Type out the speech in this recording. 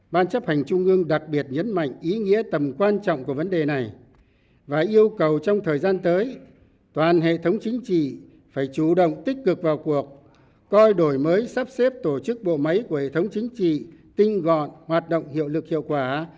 ban chấp hành trung ương đặc biệt nhấn mạnh ý nghĩa tầm quan trọng của vấn đề này và yêu cầu trong thời gian tới toàn hệ thống chính trị phải chủ động tích cực vào cuộc coi đổi mới sắp xếp tổ chức bộ máy của hệ thống chính trị tinh gọn hoạt động hiệu lực hiệu quả